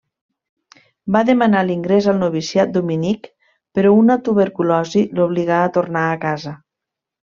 Va demanar l'ingrés al noviciat dominic, però una tuberculosi l'obligà a tornar a casa.